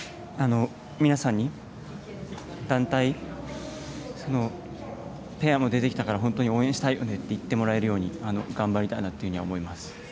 皆さんに団体、ペアもできたから本当に応援したいよねって言ってもらえるように頑張りたいと思います。